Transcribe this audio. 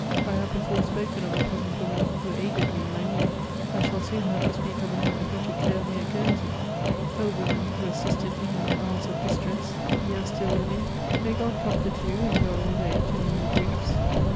I have before spoken of a peasant woman who aided me in my need, I shall soon have to speak of another who took care of me at Guernsey ; oh ! women who assisted me in my hoars of distress, if ye are stiU living, may €iod comfort jOQ m your old age, and m your griefs!